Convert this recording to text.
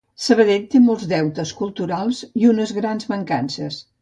Sabadell té molts deutes culturals i unes grans mancances